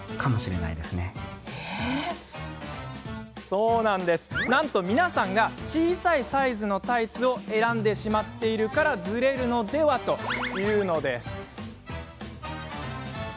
そうなんです、なんと皆さんが小さいサイズのタイツを選んでしまっているからズレるのでは？というのです。